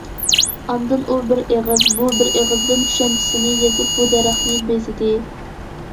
ئاندىن ئۇ بىر ئېغىز، بۇ بىر ئېغىزدىن چۈشەنچىسىنى يېزىپ بۇ دەرەخنى بېزىدى.